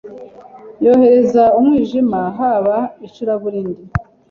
Yohereza umwijima haba icuraburindi